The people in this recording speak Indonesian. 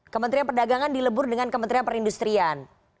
kementerian perdagangan dilebur dengan kementerian perindustrian